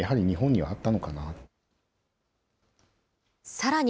さらに、